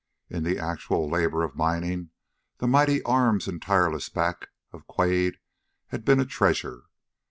In the actual labor of mining, the mighty arms and tireless back Of Quade had been a treasure.